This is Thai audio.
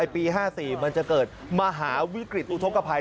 ปี๕๔มันจะเกิดมหาวิกฤตอุทธกภัย